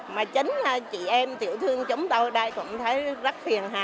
mà chính chị em tiểu thương chúng tôi đây cũng thấy rất phiền hà